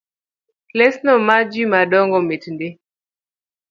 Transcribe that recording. Lesno mar jomadongo mit ndi